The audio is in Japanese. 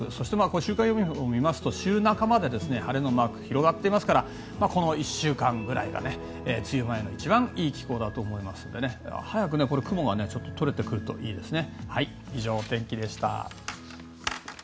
週間予報を見ますと週半ばまで晴れのマークが広がっていますからこの１週間ぐらいが梅雨前の一番いい気候だと思いますので早く雲が取れてくるといいですね。